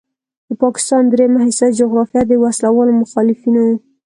د پاکستان دریمه حصه جغرافیه د وسلوالو مخالفینو